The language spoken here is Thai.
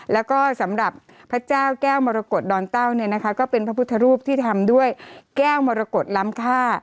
แล้วก็สำหรับพระเจ้าแก้วมรกฏดอนเต้าเนี่ยนะคะก็เป็นพระพุทธรูปที่ทำด้วยแก้วมรกฏล้ำค่า